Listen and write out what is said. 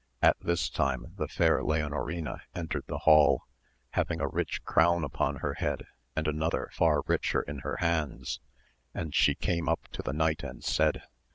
At this time the fair Leonorina entered the hall, having a rich crown upon her head and another far richer in her hands, and she came up to the knight and said.